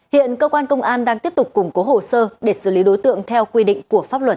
hiện cơ quan công an đang tiếp tục củng cố hồ sơ để xử lý đối tượng theo quy định của pháp luật